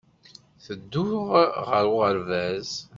Tedduɣ ɣer uɣerbaz